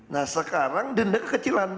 nah sekarang denda kekecilan